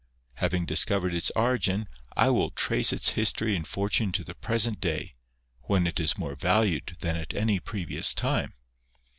Having discovered its origin, I will trace its history and fortune to the present day, when it is more valued than at any previous time.